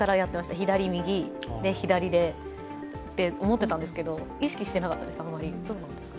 左、右、左でって思ってたんですけど、意識してなかったです、あまり。